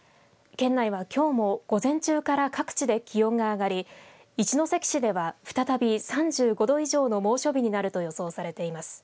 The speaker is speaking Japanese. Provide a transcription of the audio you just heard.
県内はきょうも午前中から各地で気温が上がり一関市では再び３５度以上の猛暑日になると予想されています。